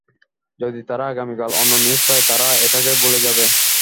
যদি তারা আগামীকাল অন্য নিউজ পায়, তারা এটাকে ভুলে যাবে।